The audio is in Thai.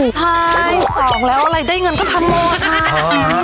ใช่สองแล้วอะไรได้เงินก็ทำหมดค่ะ